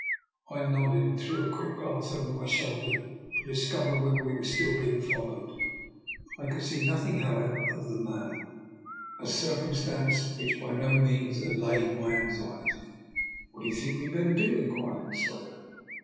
I nodded, and threw a quick glance back over my shoulder to discover whether we were still being followed. I could see noth ing, however, of the man; a circumstance which by no means allayed my anxiety. " What do you think we had better do? " inquired Consuelo.